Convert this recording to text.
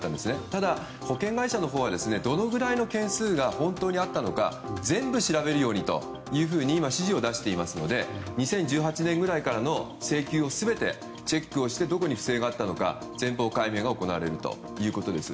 ただ、保険会社のほうはどのぐらいの件数が本当にあったのか全部調べるようにと今、指示を出していますので２０１８年ぐらいからの請求を全てチェックしてどこに不正があったのか全容解明が行われるということです。